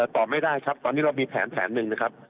ตอบไม่ได้ครับตอนนี้เรามีแผนหนึ่งนะครับ